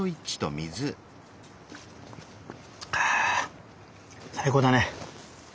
あ最高だね。